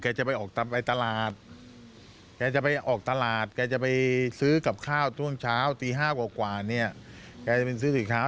แกจะไปออกไปตลาดแกจะไปออกตลาดแกจะไปซื้อกับข้าวต้นเช้าตี๕กว่ากว่าเนี่ยแกจะเป็นซื้อข้าว